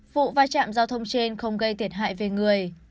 vụ va chạm giao thông trên không gây thiệt hại về người